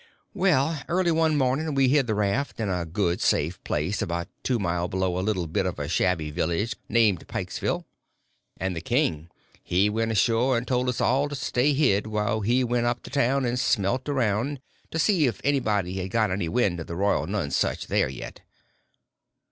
Well, early one morning we hid the raft in a good, safe place about two mile below a little bit of a shabby village named Pikesville, and the king he went ashore and told us all to stay hid whilst he went up to town and smelt around to see if anybody had got any wind of the Royal Nonesuch there yet.